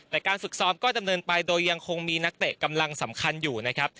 แต่การฝึกซ้อมก็ดำเนินไปโดยยังคงมีนักเตะกำลังสำคัญอยู่นะครับ